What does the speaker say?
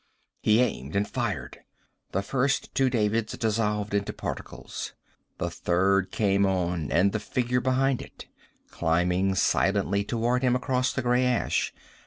He aimed and fired. The first two Davids dissolved into particles. The third came on. And the figure behind it. Climbing silently toward him across the gray ash.